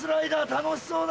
楽しそう！